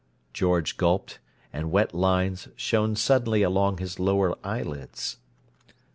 George gulped, and wet lines shone suddenly along his lower eyelids.